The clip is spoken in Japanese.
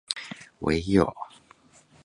うぇいよ